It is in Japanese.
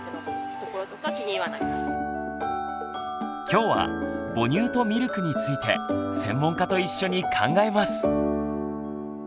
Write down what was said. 今日は「母乳とミルク」について専門家と一緒に考えます。